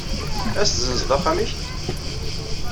Ad as-tessenzed axxam-nnek?